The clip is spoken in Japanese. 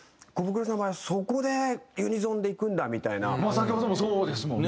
先ほどもそうですもんね。